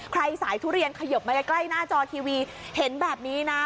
สายทุเรียนขยบมาใกล้หน้าจอทีวีเห็นแบบนี้นะ